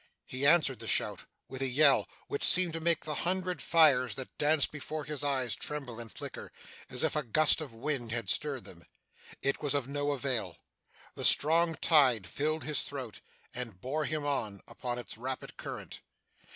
He answered the shout with a yell, which seemed to make the hundred fires that danced before his eyes tremble and flicker, as if a gust of wind had stirred them. It was of no avail. The strong tide filled his throat, and bore him on, upon its rapid current.